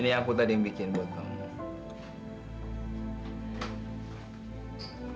ini yang aku tadi bikin buat kamu